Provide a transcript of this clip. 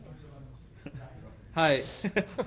はい。